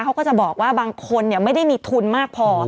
เขาก็จะบอกว่าบางคนไม่ได้มีทุนมากพอ